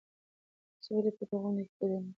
تاسې ولې په دې غونډه کې ګډون نه کوئ؟